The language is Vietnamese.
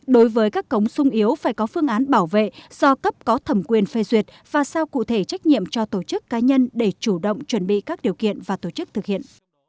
đối với các cống sung yếu phải có phương án bảo vệ do cấp có thẩm quyền phê duyệt và sao cụ thể trách nhiệm cho tổ chức cá nhân để chủ động chuẩn bị các điều kiện và tổ chức thực hiện